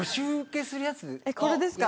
これですか。